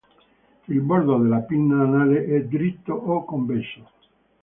Il bordo della pinna anale è dritto o convesso.